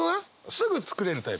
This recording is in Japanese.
すぐ作れるタイプ？